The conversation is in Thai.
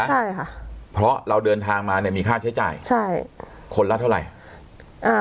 ใช่ค่ะเพราะเราเดินทางมาเนี่ยมีค่าใช้จ่ายใช่คนละเท่าไหร่อ่า